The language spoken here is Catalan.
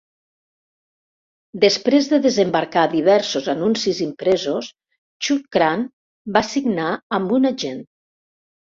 Després de desembarcar diversos anuncis impresos, Chuchran va signar amb un agent.